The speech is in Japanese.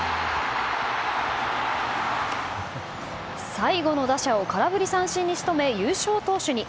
最後の打者を空振り三振に仕留め優勝投手に。